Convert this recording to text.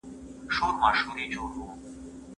نه دوستان سته چي یې ورکړي